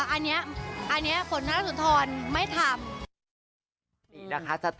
อันนี้ฝนทางสุธรไม่ทำ